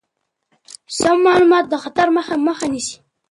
سم معلومات د خطر مخه نیسي.